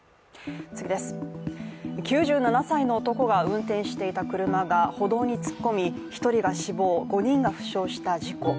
９７歳の男が運転していた車が歩道に突っ込み、１人が死亡、５人が負傷した事故。